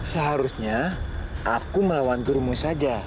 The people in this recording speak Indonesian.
seharusnya aku melawan gurumu saja